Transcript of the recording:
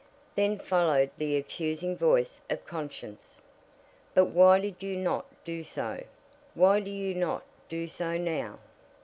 Then followed the accusing voice of conscience: "But why did you not do so? Why do you not do so now?"